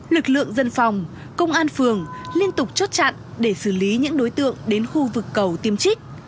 lực lượng dân phòng công an phường liên tục chốt chặn để xử lý những đối tượng đến khu vực cầu tiêm trích